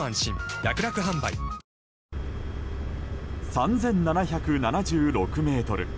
３７７６ｍ。